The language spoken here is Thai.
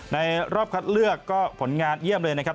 รอบคัดเลือกก็ผลงานเยี่ยมเลยนะครับ